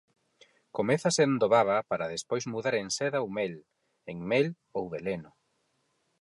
comeza sendo baba para despois mudar en seda ou mel, en mel ou veleno.